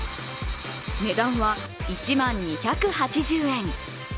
値段は１万２８０円。